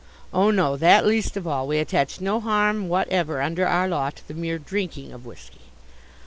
"Oh, no, that least of all. We attach no harm whatever, under our law, to the mere drinking of whisky."